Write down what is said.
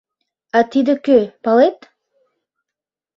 А тиде кӧ, палет?